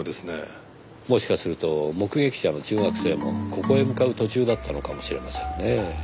もしかすると目撃者の中学生もここへ向かう途中だったのかもしれませんねぇ。